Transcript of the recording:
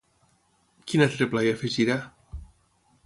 Quin altre pla hi afegirà?